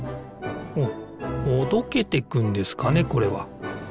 ほどけていくんですかねこれは。